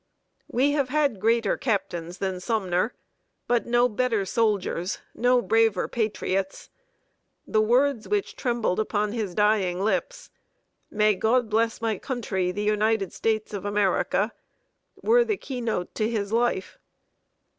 We have had greater captains than Sumner; but no better soldiers, no braver patriots. The words which trembled upon his dying lips "May God bless my country, the United States of America" were the key note to his life.